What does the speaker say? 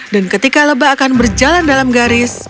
dan ketika lebah akan berjalan dalam garis